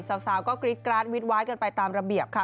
สาวก็กรี๊ดกราดวิดว้ายกันไปตามระเบียบค่ะ